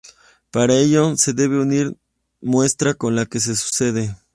Para ello, se debe unir cada muestra con la que le sucede.